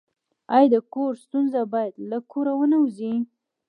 آیا د کور ستونزه باید له کوره ونه وځي؟